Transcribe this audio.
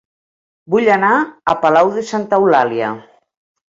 Vull anar a Palau de Santa Eulàlia